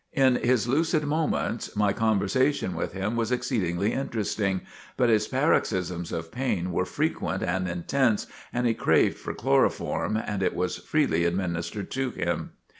In his lucid moments my conversation with him was exceedingly interesting. But his paroxysms of pain were frequent and intense and he craved for chloroform and it was freely administered to him.